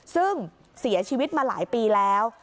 ซึ่งเสียชีวิตมาหลายปีแล้ว